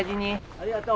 ありがとう。